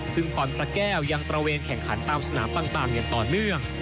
ซึ่งพรพระแก้วยังตระเวนแข่งขันตามสนามต่างอย่างต่อเนื่อง